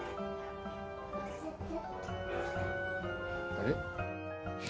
あれ？